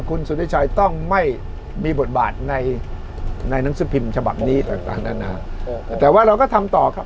คุณสุธิชัยต้องไม่มีบทบาทในในนักศึกพิมพ์ฉบับนี้แต่ว่าเราก็ทำต่อครับ